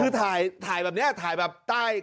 คือถ่ายแบบนี้